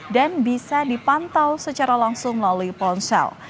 dan bisa dipantau secara langsung melalui ponsel